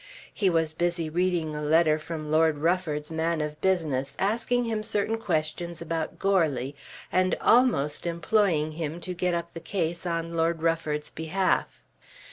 He was busy reading a letter from Lord Rufford's man of business, asking him certain questions about Goarly and almost employing him to get up the case on Lord Rufford's behalf.